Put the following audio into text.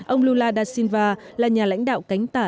ông lula da silva là nhà lãnh đạo cánh tả